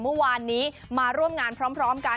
เมื่อวานนี้มาร่วมงานพร้อมกัน